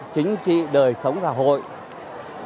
chính trị đời sống của chúng ta